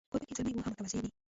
کوربه که زلمی وي، هم متواضع وي.